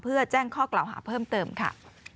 เพื่อแจ้งข้อกล่าวหาเพิ่มเติมค่ะ